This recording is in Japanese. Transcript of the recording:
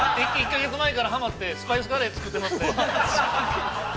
◆１か月前からはまってスパイスカレー作ってますね。